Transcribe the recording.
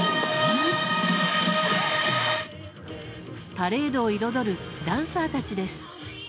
パレードを彩るダンサーたちです。